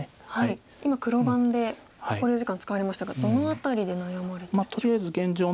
今黒番で考慮時間使われましたがどの辺りで悩まれてるんでしょう。